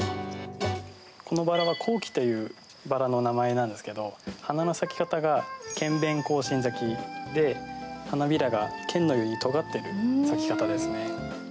このバラは香貴というバラの名前なんですけど花の咲き方が剣弁高芯咲きで花びらが剣のようにとがってる咲き方ですね。